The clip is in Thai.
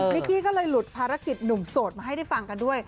กี้ก็เลยหลุดภารกิจหนุ่มโสดมาให้ได้ฟังกันด้วย